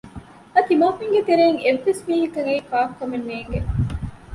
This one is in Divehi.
އަދި ތިމަންމެންގެ ތެރެއިން އެއްވެސް މީހަކަށް އެއީ ކާކު ކަމެއް ނޭނގޭ